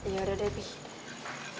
ya udah debbie